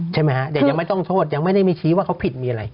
ใช่ไหมฮะเด็กยังไม่ต้องโทษยังไม่ได้มีชี้ว่าเขาผิดมีอะไร